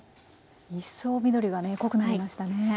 いっそう緑がね濃くなりましたね。